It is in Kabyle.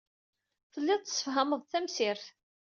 Tellid tessefhamed-d tamsirt.